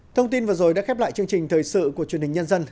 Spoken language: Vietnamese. thông tin vừa rồi đã khép lại chương trình thời sự của truyền hình nhân dân